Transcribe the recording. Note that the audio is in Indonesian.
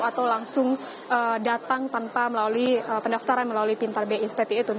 atau langsung datang tanpa melalui pendaftaran melalui pintar bi seperti itu